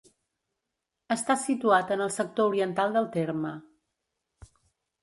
Està situat en el sector oriental del terme.